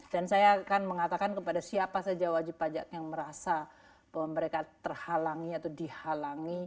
dan saya akan mengatakan kepada siapa saja wajib pajak yang merasa bahwa mereka terhalangi atau dihalangi